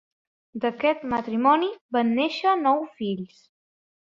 D'aquest matrimoni van néixer nou fills.